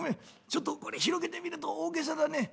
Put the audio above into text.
ちょっとこれ広げてみると大げさだね」。